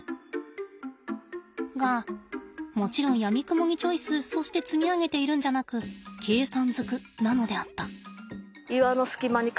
がもちろんやみくもにチョイスそして積み上げているんじゃなく計算ずくなのであった。